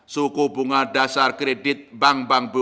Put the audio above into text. suku bunga dasar kredit bank bank bumn